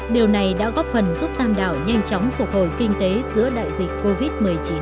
điều này đã góp phần giúp tam đảo nhanh chóng phục hồi kinh tế giữa đại dịch covid một mươi chín